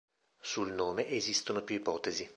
Sul nome esistono più ipotesi.